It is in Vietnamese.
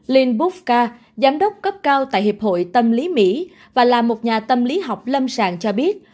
linh bookka giám đốc cấp cao tại hiệp hội tâm lý mỹ và là một nhà tâm lý học lâm sàng cho biết